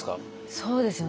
そうですね